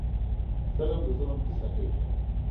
فلم د ظلم کیسه کوي